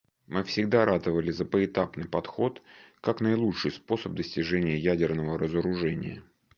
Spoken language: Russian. Мы всегда ратовали за поэтапный подход как наилучший способ достижения ядерного разоружения.